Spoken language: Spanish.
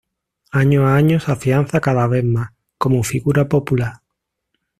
Año a año se afianza cada vez más, como figura popular.